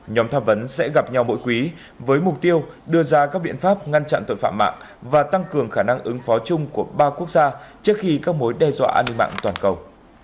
nhóm tham vấn sẽ gặp nhau mỗi quý với mục tiêu đưa ra các biện pháp ngăn chặn tội phạm mạng và tăng cường khả năng ứng phó chung của ba quốc gia trước khi các mối đe dọa an ninh mạng toàn cầu